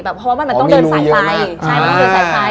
เพราะมันต้องเดินสายใย